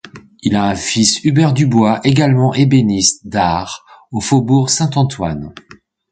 Il a un fils Hubert Dubois, également ébéniste d'art au Faubourg Saint-Antoine.